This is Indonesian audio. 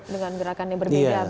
dengan gerakannya berbeda begitu ya